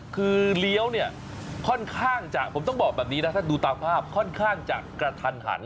คือเลี้ยวเนี่ยค่อนข้างจะผมต้องบอกแบบนี้นะถ้าดูตามภาพค่อนข้างจะกระทันหัน